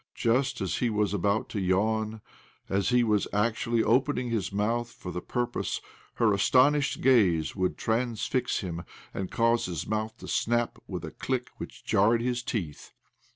Just as he was about to yawn, as he was actually opening his mouth for the purpose, her astonished glance would transfix him, and cause his mouth to snap with a click which jarred, his teeth.